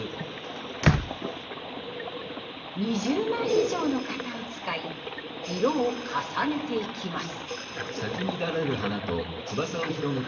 ２０枚以上の型を使い色を重ねていきます。